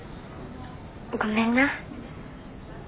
ごめんな。